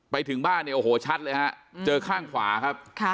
ไปถึงบ้านเนี่ยโอ้โหชัดเลยฮะเจอข้างขวาครับ